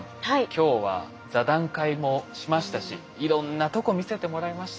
今日は座談会もしましたしいろんなとこ見せてもらいました。